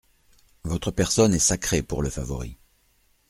Votre personne est sacrée pour le favori.